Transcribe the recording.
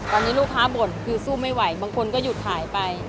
ตอนนี้ลูกค้าบ่นคือสู้ไม่ไหวบางคนก็หยุดขายไป